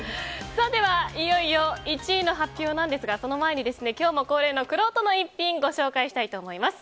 では、いよいよ１位の発表ですがその前に今日も恒例のくろうとの逸品ご紹介したいと思います。